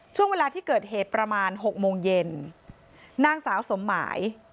ช่วงเวลาที่เกิดเหตุประมาณหกโมงเย็นนางสาวสมหมาย